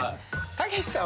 たけしさん